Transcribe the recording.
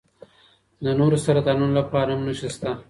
د نورو سرطانونو لپاره هم نښې شته.